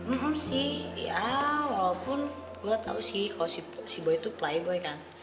menurut sih ya walaupun gue tau sih kalau si boy itu playboy kan